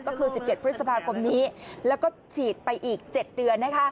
ก็คือ๑๗พฤษภาคมนี้แล้วก็ฉีดไปอีก๗เดือน